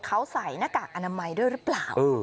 เขาใส่หน้ากากอนามัยด้วยหรือเปล่า